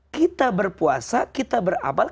kita berpuasa kita beramal